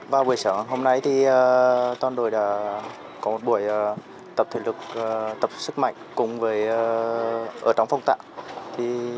vào buổi sáng hôm nay toàn đội đã có một buổi tập thể lực tập sức mạnh cùng với ở trong phong tạng